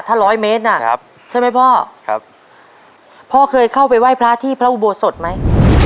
ถ้าร้อยเมตรน่ะครับใช่ไหมพ่อครับพ่อเคยเข้าไปไหว้พระที่พระอุโบสถไหม